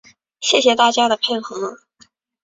谢谢大家的配合